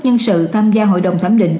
nhân sự tham gia hội đồng thẩm định